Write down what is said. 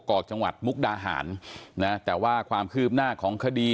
อกจังหวัดมุกดาหารนะแต่ว่าความคืบหน้าของคดี